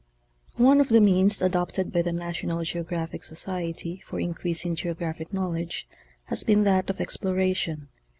One of the means adopted by the Narionan GEOGRAPHIC Socrery for increasing geographic knowledge has been that of exploration.